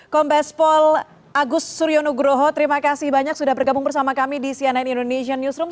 kombes pol agus suryo nugroho terima kasih banyak sudah bergabung bersama kami di cnn indonesian newsroom